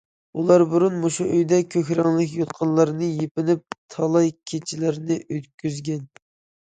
ئۇلار بۇرۇن مۇشۇ ئۆيدە كۆك رەڭلىك يوتقانلارنى يېپىنىپ تالاي كېچىلەرنى ئۆتكۈزگەن.